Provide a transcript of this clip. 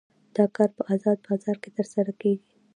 دا کار په ازاد بازار کې ترسره کیږي.